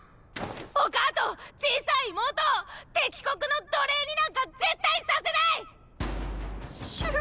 お母と小さい妹を敵国の奴隷になんか絶対させない！！秋。